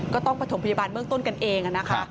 ก็ต้องประถมพยาบาลเบื้องต้นกันเองนะคะ